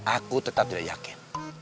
aku tetap tidak yakin